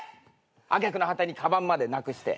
揚げ句の果てにかばんまでなくして。